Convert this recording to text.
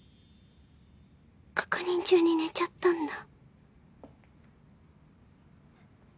確認中に寝ちゃったんだ